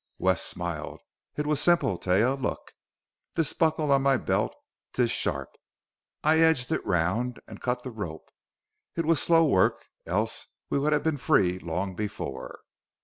Wes smiled. "It was simple, Taia. Look! This buckle on my belt 'tis sharp. I edged it round and cut the rope. It was slow work, else we would have been free long before."